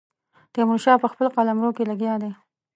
تیمور شاه په خپل قلمرو کې لګیا دی.